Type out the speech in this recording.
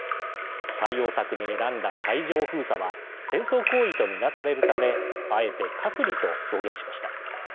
対応策に選んだ海上封鎖は戦争行為と見なされるためあえて隔離と表現しました。